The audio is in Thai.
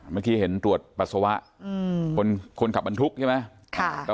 เมื่อกี้เห็นตรวจปัสสาวะคนขับบรรทุกใช่ไหม